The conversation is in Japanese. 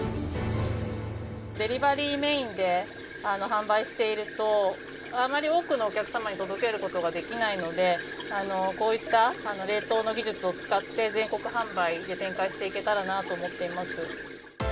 デリバリーメインで販売していると、あまり多くのお客様に届けることができないので、こういった冷凍の技術を使って、全国販売で展開していけたらなと思っています。